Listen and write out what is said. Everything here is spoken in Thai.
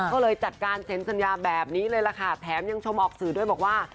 ก็เลยจัดการเซ็นสัญญาแบบนี้เลยล่ะค่ะแถมยังชมออกสื่อด้วยบอกว่า